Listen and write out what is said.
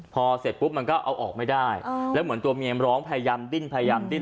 พอเสร็จปุ๊บมันก็เอาออกไม่ได้แล้วเหมือนตัวเมียร้องพยายามดิ้นพยายามดิ้น